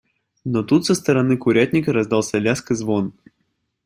Но тут со стороны курятника раздался лязг и звон.